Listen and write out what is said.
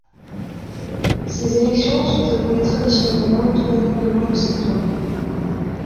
Ces élections se déroulaient traditionnellement le troisième dimanche de septembre.